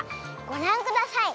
ごらんください。